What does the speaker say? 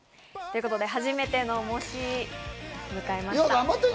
ということで、初めての模試、迎えました。